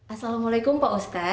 assalamualaikum pak ustadz izin bertanya